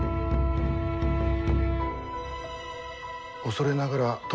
恐れながら殿。